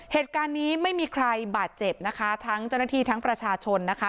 เหตุการณ์นี้ไม่มีใครบาดเจ็บนะคะทั้งเจ้าหน้าที่ทั้งประชาชนนะคะ